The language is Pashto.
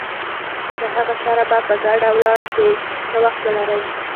له هغه سره به په ګډه ولاړ شې، ښه وخت ولرئ.